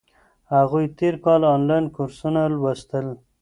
هغوی تیر کال انلاین کورسونه لوستل.